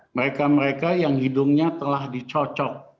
mereka mereka yang hidungnya telah dicocok